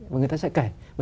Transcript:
và người ta sẽ kể